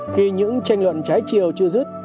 khi những tranh luận trái chiều chưa dứt